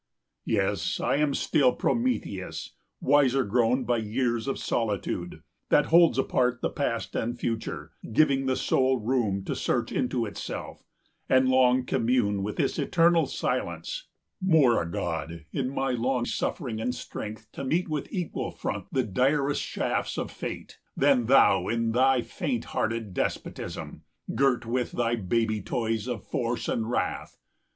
Yes, I am still Prometheus, wiser grown 95 By years of solitude, that holds apart The past and future, giving the soul room To search into itself, and long commune With this eternal silence; more a god, In my long suffering and strength to meet 100 With equal front the direst shafts of fate, Than thou in thy faint hearted despotism, Girt with thy baby toys of force and wrath.